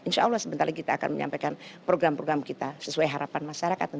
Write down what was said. insya allah sebentar lagi kita akan menyampaikan program program kita sesuai harapan masyarakat